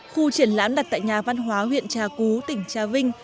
khu triển lãm đặt tại nhà văn hóa huyện trà cú tỉnh trà vinh